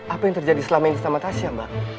apa yang terjadi selama ini sama tasya mbak